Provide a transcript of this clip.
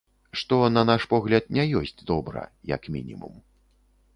Што, на наш погляд, не ёсць добра, як мінімум.